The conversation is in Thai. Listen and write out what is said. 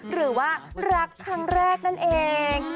หรือว่ารักครั้งแรกนั่นเอง